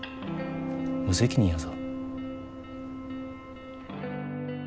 無責任やぞ。